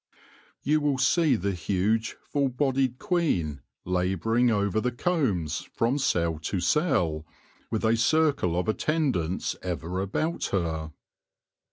You will see the huge, full bodied queen labouring over the combs from cell to cell, with a circle of atten dants ever about her.